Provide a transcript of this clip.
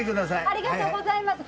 ありがとうございます。